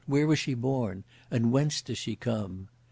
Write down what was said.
Where was she born? and whence does she come?